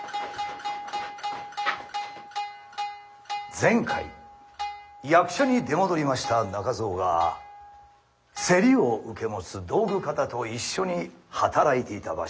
前回役者に出戻りました中蔵がせりを受け持つ道具方と一緒に働いていた場所でございます。